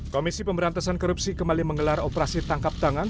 komisi pemberantasan korupsi kembali menggelar operasi tangkap tangan